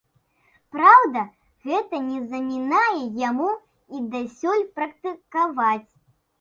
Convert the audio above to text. Праўда, гэта не замінае яму і дасюль практыкаваць.